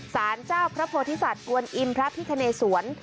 สารเจ้าพระโพธิสัตว์กวนอิมพระพิคเนสวน